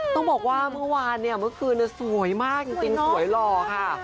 ต้องบอกว่าเมื่อวานเนี่ยเมื่อคืนสวยมากจริงสวยหล่อค่ะ